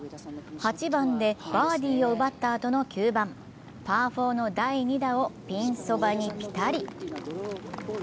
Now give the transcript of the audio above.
８番でバーディーを奪ったあとの９番、パー４の第２打をピンそばにぴたり。